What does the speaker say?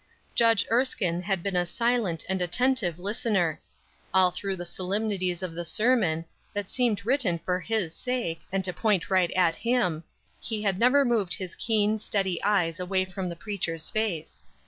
Judge Erskine had been a silent and attentive listener. All through the solemnities of the sermon, that seemed written for his sake, and to point right at him, he had never moved his keen, steady eyes away from the preacher's face.